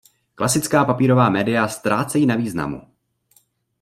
Klasická papírová média ztrácejí na významu.